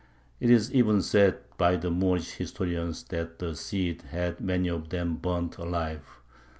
It is even said by the Moorish historians that the Cid had many of them burnt alive.